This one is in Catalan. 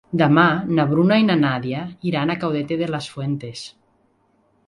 Demà na Bruna i na Nàdia iran a Caudete de las Fuentes.